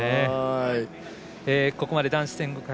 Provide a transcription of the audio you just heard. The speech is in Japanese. ここまで男子１５００